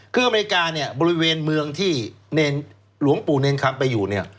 คืออเมริกาเนี่ยบริเวณเมืองที่หลวงปู่เนรคำไปอยู่เนี่ย